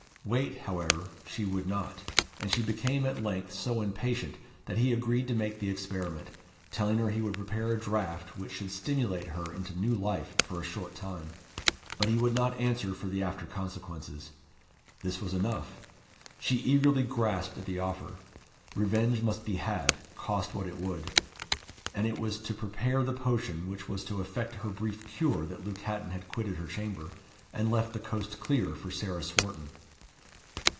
Wait, however, she would not, and she became at length so impatient, that he agreed to make the experiment, telling her he would prepare a draught which should stimulate her into new life for a short time, but he would not answer for the after consequences. This was enough. She eagerly grasped at the offer. Revenge must be had, cost what it would. And it was to prepare the potion which was to effect her brief cure that Luke Hatton had quitted her chamber, and left the coast clear for Sarah Swarton.